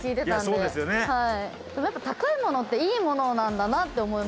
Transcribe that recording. でもやっぱ高いものっていいものなんだなって思いました。